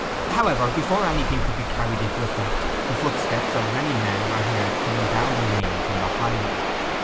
However, before anything could be carried into effect, the footsteps of many men were heard coming down the lane from the highway.